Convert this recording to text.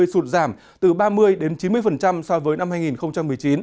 sụt giảm từ ba mươi đến chín mươi so với năm hai nghìn một mươi chín